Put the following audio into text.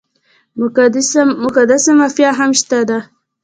مقدسه مافیا هم شته ده.